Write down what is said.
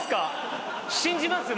信じます